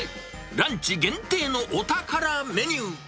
ランチ限定のお宝メニュー。